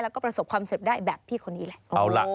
แล้วก็ประสบความเสิร์ฟได้แบบพี่คนนี้แหละ